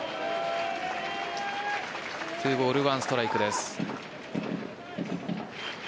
２ボール１ストライクです。